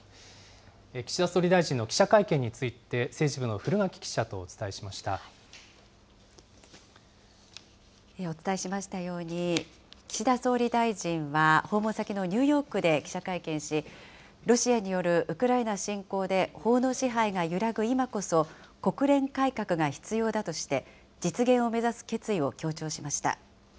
岸田総理大臣の記者会見について、政治部の古垣記者とお伝えお伝えしましたように、岸田総理大臣は、訪問先のニューヨークで記者会見し、ロシアによるウクライナ侵攻で法の支配が揺らぐ今こそ、国連改革が必要だとして、実現を目指す決意を強調しました。